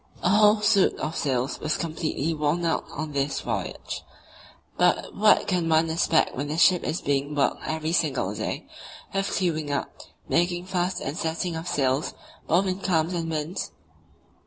A whole suit of sails was completely worn out on this voyage; but what can one expect when the ship is being worked every single day, with clewing up, making fast and setting of sails both in calms and winds?